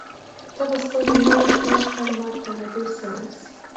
ته به ستا د مور و پلار تر مرګه له دوی سره اوسې،